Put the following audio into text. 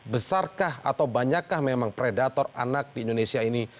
besarkah atau banyakkah memang predator anak di indonesia ini